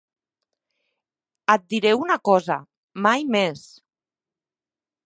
Et diré una cosa, mai més.